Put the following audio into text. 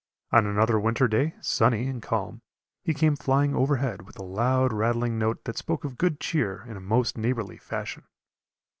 On another winter day, sunny and calm, he came flying overhead with a loud rattling note that spoke of good cheer in most neighborly fashion.